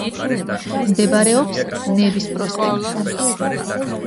მდებარეობს ნევის პროსპექტზე.